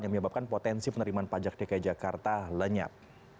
yang menyebabkan potensi penerimaan pajak dki jakarta lenyap